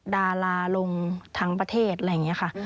ดาราลงทั้งประเทศอะไรอย่างนี้ค่ะ